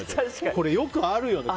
これ、よくあるよね。